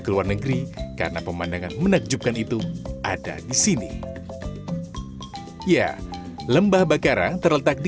ke luar negeri karena pemandangan menakjubkan itu ada di sini ya lembah bakarang terletak di